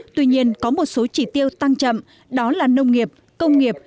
tuy nhiên có một số chỉ tiêu tăng chậm đó là nông nghiệp công nghiệp